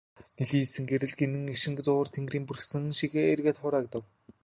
Нэлийсэн гэрэл гэнэт эгшин зуур тэнгэрийг бүрхсэн шигээ эргээд хураагдав.